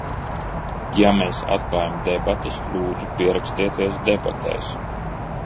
Ja mēs atklājam debates, lūdzu, pierakstieties debatēs!